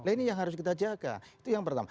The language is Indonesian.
ini yang harus kita jaga